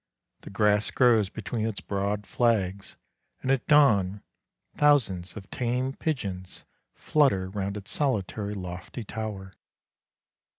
The grass grows between its broad flags, and at dawn thousands of tame pigeons flutter round its solitary lofty tower.